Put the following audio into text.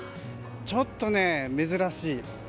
ちょっと珍しい。